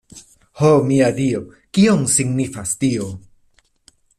Ho, mia Dio, kion signifas tio?